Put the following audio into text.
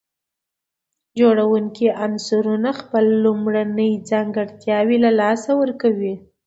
جوړونکي عنصرونه خپل لومړني ځانګړتياوي له لاسه ورکوي.